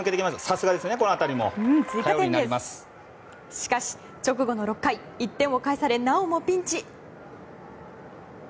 しかし、直後の６回１点を返され、なおもピンチ。